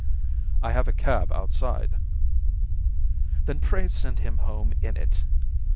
"I have a cab outside." "Then pray send him home in it.